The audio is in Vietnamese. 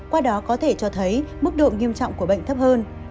qua đó có thể cho thấy mức độ nghiêm trọng của bệnh thấp hơn